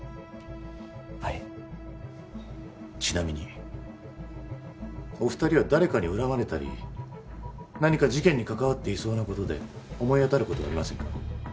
はいちなみにお二人は誰かに恨まれたり何か事件に関わっていそうなことで思い当たることはありませんか？